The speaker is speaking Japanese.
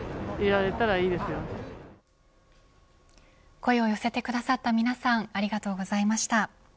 声を寄せてくださった皆さんありがとうございました。